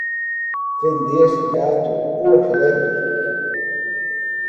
Vender gato por lebre.